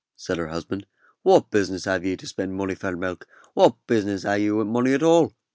said her husband. "What business have you to spend money for milk what business have you wi' money at all?"